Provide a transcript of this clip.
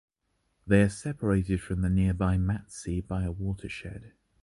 They are separated from the nearby Mattsee by a watershed.